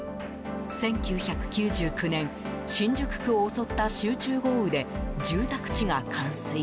１９９９年、新宿区を襲った集中豪雨で住宅地が冠水。